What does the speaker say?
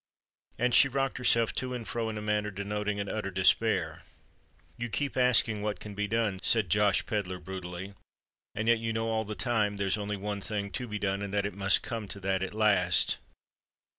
And she rocked herself to and fro in a manner denoting an utter despair. "You keep asking what can be done," said Josh Pedler, brutally, "and yet you know all the time that there's only one thing to be done, and that it must come to that at last."